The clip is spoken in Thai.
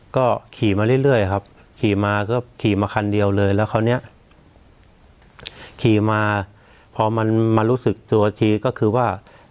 ก็ขี่มาเรื่อยครับขี่มาก็ขี่มาคันเดียวเลยแล้วคราวนี้ขี่มาพอมันมารู้สึกตัวทีก็คือว่า